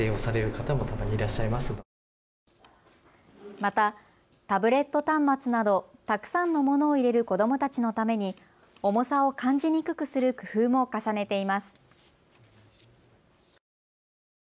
またタブレット端末などたくさんのものを入れる子どもたちのために重さを感じにくくする工夫も重ねています。